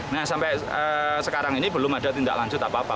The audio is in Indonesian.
nah sampai sekarang ini belum ada tindak lanjut apa apa